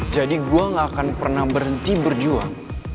jadi gue gak akan pernah berhenti berjuang